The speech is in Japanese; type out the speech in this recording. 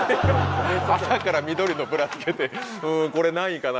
朝から緑のブラ着けて「うーんこれ何位かな？」